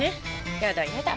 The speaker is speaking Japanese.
やだやだ。